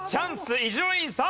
伊集院さん。